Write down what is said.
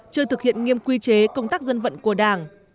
chưa thực hiện nghiêm quy chế công tác dân vận của đảng